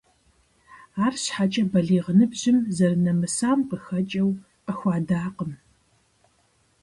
Арщхьэкӏэ балигъ ныбжьым зэрынэмысам къыхэкӏыу, къыхуадакъым.